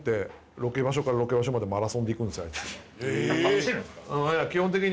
走るんですか？